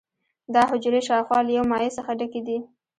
دا حجرې شاوخوا له یو مایع څخه ډکې دي.